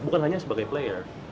bukan hanya sebagai player